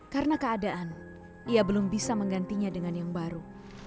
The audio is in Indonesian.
karena keadaan ia belum bisa menggantinya dengan yang baru